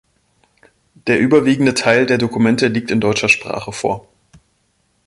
Der überwiegende Teil der Dokumente liegt in deutscher Sprache vor.